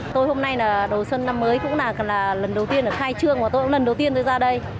tôi hôm nay là đầu xuân năm mới cũng là lần đầu tiên khai trương và tôi cũng lần đầu tiên tôi ra đây